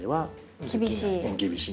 厳しい？